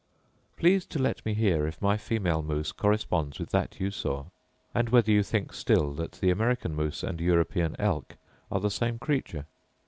Please to let me hear if my female moose corresponds with that you saw; and whether you think still that the American moose and European elk are the same creature.